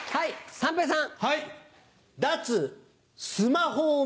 三平さん